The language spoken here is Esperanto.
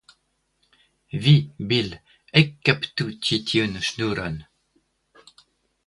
Vi, Bil, ekkaptu ĉi tiun ŝnuron.